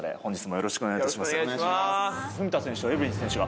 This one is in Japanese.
よろしくお願いします。